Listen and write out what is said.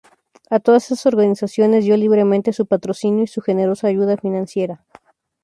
A todas esas organizaciones dio libremente su patrocinio y su generosa ayuda financiera.